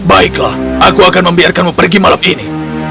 baiklah aku akan membiarkanmu pergi malam ini